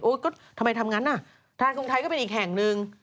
โอ้ยก็ทำไมทำงานนะธนาคารกรุงไทยก็เป็นอีกแห่งนึง